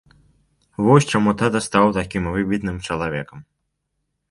Вось чаму тата стаў такім выбітным чалавекам.